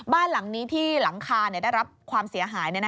บ้านหลังนี้ที่หลังคาได้รับความเสียหาย